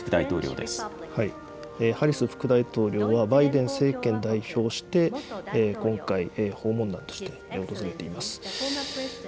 ハリス副大統領は、バイデン政権代表して、今回、訪問団として訪れています。